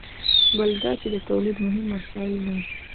بل دا چې د تولید مهم وسایل نه وو.